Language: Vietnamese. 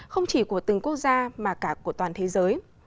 không chỉ của từng quốc gia mà cả của toàn thế giới